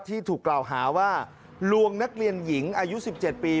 ที่ถูกกล่าวหาว่าลวงนักเรียนหญิงอายุ๑๗ปี